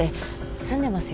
住んでますよね。